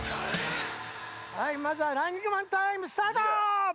まずはランニングマンタイムスタート！